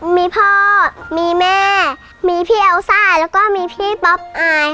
มีพ่อมีแม่มีพี่เอลซ่าแล้วก็มีพี่ป๊อปอาย